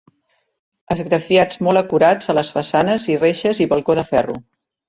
Esgrafiats molt acurats a les façanes i reixes i balcó de ferro.